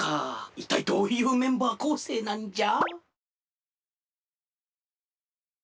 いったいどういうメンバーこうせいなんじゃ。